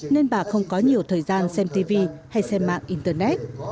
nên bà không có nhiều thời gian xem tv hay xem mạng internet